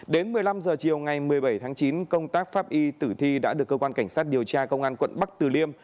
đến một mươi năm h chiều ngày một mươi bảy tháng chín công tác pháp y tử thi đã được cơ quan cảnh sát điều tra công an quận bắc từ liêm